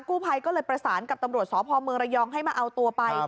กู้ภัยก็เลยประสานกับตำรวจสพเมืองระยองให้มาเอาตัวไป